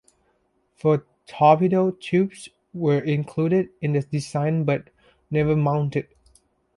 Four torpedo tubes were included in the design but never mounted.